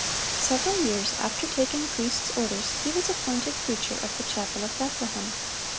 Several years after taking priest's orders he was appointed preacher of the chapel of Bethlehem.